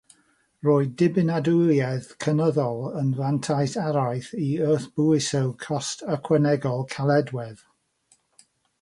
Roedd dibynadwyedd cynyddol yn fantais arall i wrthbwyso cost ychwanegol caledwedd.